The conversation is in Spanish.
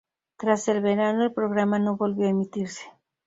Tras el verano el programa no volvió a emitirse.